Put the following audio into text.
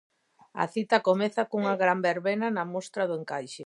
A cita comeza cunha gran verbena na Mostra do Encaixe.